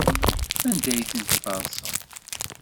Anda ay ten-tferseḍ?